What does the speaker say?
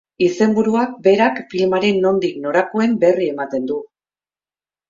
Izenburuak berak filmaren nondik norakoen berri ematen du.